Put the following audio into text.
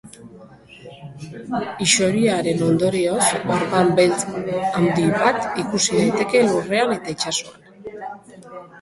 Isuriaren ondorioz, orban beltz handi bat ikus daiteke lurrean eta itsasoan.